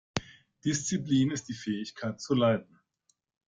Disziplin ist die Fähigkeit zu leiden.